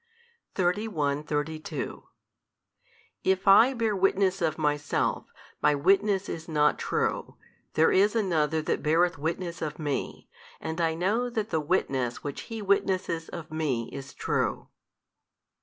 31, 32 If I bear witness of Myself, My witness is not true: there is another that beareth witness of Me, and I know that the witness which He witnesseth of Me is true.